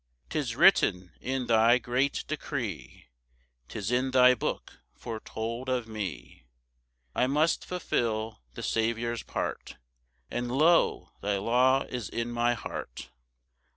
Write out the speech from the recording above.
5 "'Tis written in thy great decree, "'Tis in thy book foretold of me, "I must fulfil the Saviour's part, "And, lo! thy law is in my heart!